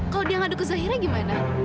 kalau dia ngaduk ke zahira gimana